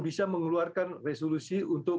bisa mengeluarkan resolusi untuk